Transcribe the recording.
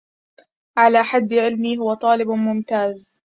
على حد علمي، هو طالب ممتاز.